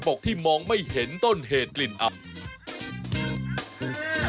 จะได้มินทรัพย์